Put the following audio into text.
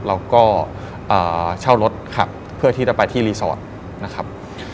เราก็เช่ารถขับเพื่อที่จะไปที่รีสอร์ทนะครับ